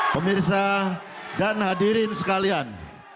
pemirsa dan hadirin sekalian